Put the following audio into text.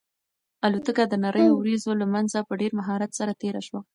الوتکه د نريو وريځو له منځه په ډېر مهارت سره تېره شوه.